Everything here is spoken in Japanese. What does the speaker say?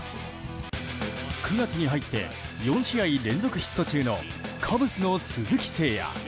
９月に入って４試合連続ヒット中のカブスの鈴木誠也。